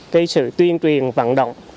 cái sự tuyên truyền vận động